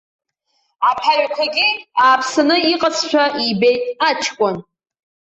Аԥаҩқәагьы ааԥсаны иҟазшәа ибеит аҷкәын.